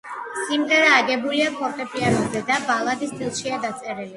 სიმღერა აგებულია ფორტეპიანოზე და ბალადის სტილშია დაწერილი.